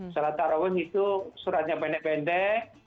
sholat taraweh itu suratnya pendek pendek